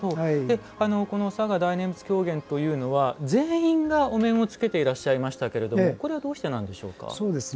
嵯峨大念佛狂言というのは全員がお面をつけていらっしゃいましたけどもこれはどうしてなんでしょうか？